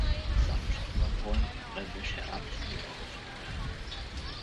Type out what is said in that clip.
Само че това бойно поле беше радостно и благословено.